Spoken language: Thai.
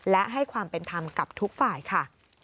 และให้ความเป็นธรรมกับทุกฝ่ายค่ะ